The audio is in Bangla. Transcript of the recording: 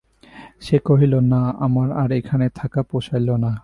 সে কহিল, না, আমার আর এখানে থাকা পোষাইল না।